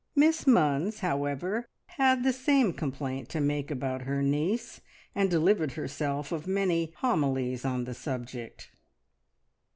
Miss Munns, however, had the same complaint to make about her niece, and delivered herself of many homilies on the subject.